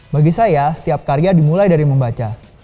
bagi saya setiap karya dimulai dari membaca